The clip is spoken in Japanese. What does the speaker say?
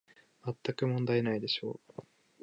まったく問題ないでしょう